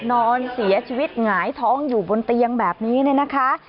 นอนเสียชีวิตหงายท้องอยู่บนเตียงแบบนี้เนี่ยนะคะ